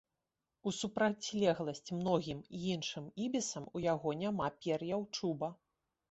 У супрацьлегласць многім іншым ібісам ў яго няма пер'яў-чуба.